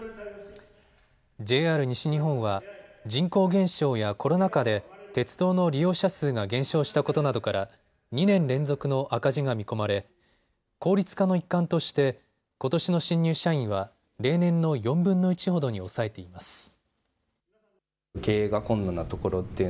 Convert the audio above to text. ＪＲ西日本は人口減少やコロナ禍で鉄道の利用者数が減少したことなどから２年連続の赤字が見込まれ効率化の一環としてことしの新入社員は例年の４分の１ほどに抑えています。